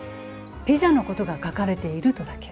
ピザのことが書かれているとだけ。